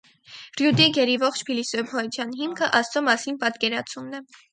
Ռյուդիգերի ողջ փիլիսոփայության հիմքը աստծո մասին պատկերացումն է։